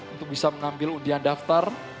untuk bisa mengambil undian daftar